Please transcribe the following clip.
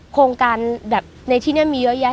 โครงการแบบในที่นี่มีเยอะแยะ